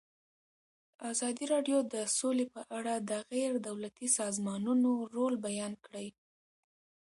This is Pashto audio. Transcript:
ازادي راډیو د سوله په اړه د غیر دولتي سازمانونو رول بیان کړی.